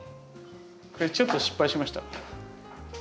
これちょっと失敗しました。